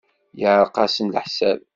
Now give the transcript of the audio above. Yeɛreq-asen leḥsab.